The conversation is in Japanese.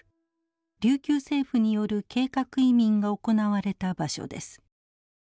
琉球政府による計画移民が行われた場所です。